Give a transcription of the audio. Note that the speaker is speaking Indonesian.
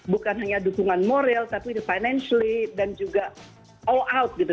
bukan hanya dukungan moral tapi juga secara finansial dan juga all out gitu